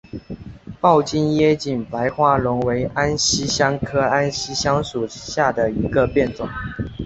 抱茎叶白花龙为安息香科安息香属下的一个变种。